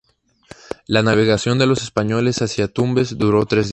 La navegación de los españoles hacia Tumbes duró tres días.